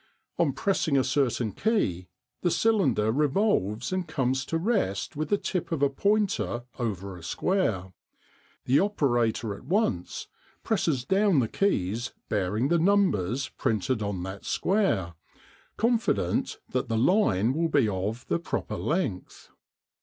On pressing a certain key the cylinder revolves and comes to rest with the tip of a pointer over a square. The operator at once presses down the keys bearing the numbers printed on that square, confident that the line will be of the proper length.